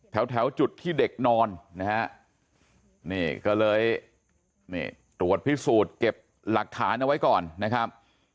แถวจุดที่เด็กนอนนะฮะนี่ก็เลยตรวจพิสูจน์เก็บหลักฐานเอาไว้ก่อนนะครับ